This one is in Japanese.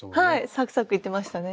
サクサクいってましたね。